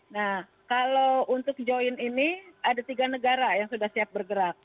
nah kalau untuk join ini ada tiga negara yang sudah siap bergerak